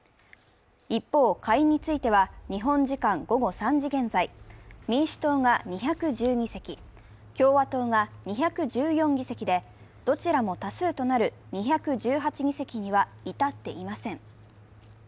一方、下院については日本時間午後３時現在、民主党が２１０議席、共和党が２１４議席で、どちらも多数となる２１８議席には至っていません。